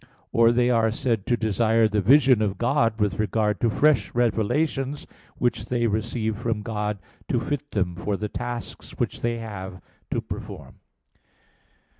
Or they are said to desire the vision of God with regard to fresh revelations, which they receive from God to fit them for the tasks which they have to perform.